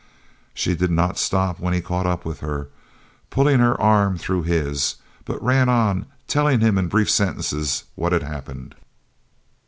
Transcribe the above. She did not stop when he caught up with her, pulling her arm through his, but ran on, telling him in brief sentences what had happened.